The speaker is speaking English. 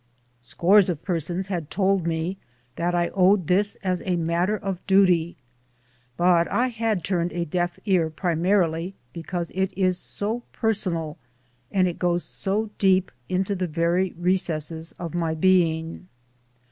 Scores of per sons had told me that I owed this as a matter of duty; but I had turned a deaf ear primarily be cause it is so personal and it goes so deep into the very recesses of my being.